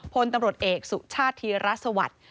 พลตำรวจเอกสุชาติธิรัฐสวรรค์